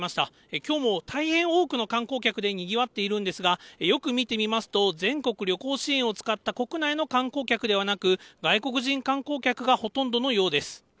きょうも大変多くの観光客でにぎわっているんですが、よく見てみますと、全国旅行支援を使った国内の観光客ではなく、外国人観光客がほとんどのようです。